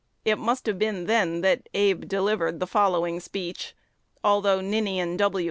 It must have been then that Abe delivered the following speech, although Ninian W.